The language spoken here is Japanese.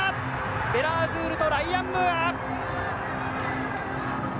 ヴェラアズールとライアン・ムーア！